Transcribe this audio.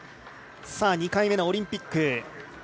２回目のオリンピック。